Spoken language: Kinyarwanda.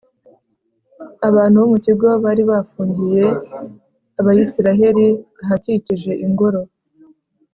abantu bo mu kigo bari barafungiye abayisraheli ahakikije ingoro